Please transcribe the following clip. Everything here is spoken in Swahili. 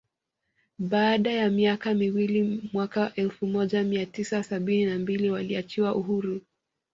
Baada ya miaka miwili mwaka elfu moja mia tisa sabini na mbili waliachiwa huru